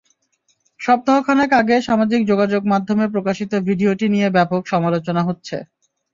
সপ্তাহ খানেক আগে সামাজিক যোগাযোগমাধ্যমে প্রকাশিত ভিডিওটি নিয়ে ব্যাপক সমালোচনা হচ্ছে।